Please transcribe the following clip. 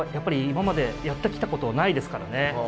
今までやってきたことないですからね。